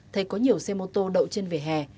thấy có nhiều xe mô tô đậu trên vỉa hè